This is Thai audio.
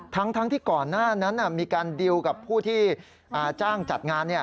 ทั้งที่ก่อนหน้านั้นมีการดีลกับผู้ที่จ้างจัดงาน